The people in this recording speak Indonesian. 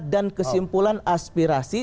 dan kesimpulan aspirasi